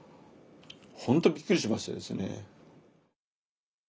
本当びっくりしましてですね。